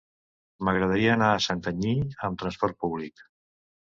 M'agradaria anar a Santanyí amb transport públic.